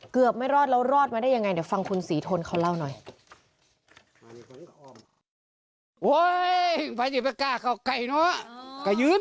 ไม่รอดแล้วรอดมาได้ยังไงเดี๋ยวฟังคุณศรีทนเขาเล่าหน่อย